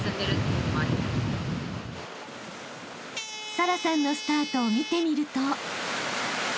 ［沙羅さんのスタートを見てみると］